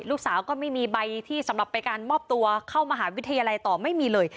ลูกสาวก็ไม่มีใบที่สำหรับไปการมอบตัวเข้ามหาวิทยาลัยต่อไม่มีเลย